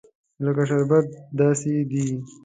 لکه شربت داسې دي.